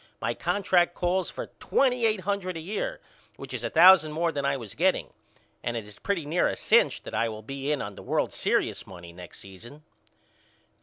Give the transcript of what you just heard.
My contract calls for twenty eight hundred a year which is a thousand more than I was getting. And it is pretty near a cinch that I will be in on the World Serious money next season.